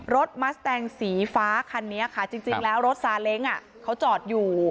มัสแตงสีฟ้าคันนี้ค่ะจริงแล้วรถซาเล้งเขาจอดอยู่